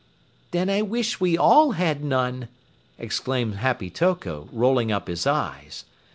"Then I wish we all had none!" exclaimed Happy Toko, rolling up his eyes.